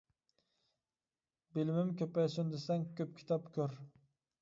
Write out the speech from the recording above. بىلىمىم كۆپەيسۇن دېسەڭ كۆپ كىتاب كۆر.